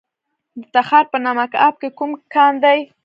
د تخار په نمک اب کې کوم کان دی؟